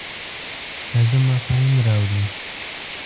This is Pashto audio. تازه مفاهیم راوړې.